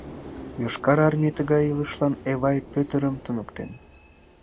Йошкар Армий тыгай илышлан Эвай Пӧтырым туныктен.